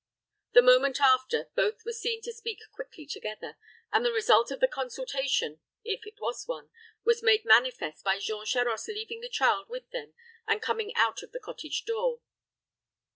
The moment after, both were seen to speak quickly together, and the result of the consultation, if it was one, was made manifest by Jean Charost leaving the child with them and coming out of the cottage door.